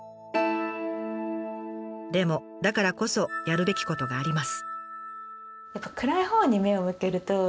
でもだからこそやるべきことがあります。